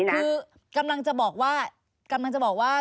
อ๋ออ๋ออ๋อคือกำลังจะบอกว่า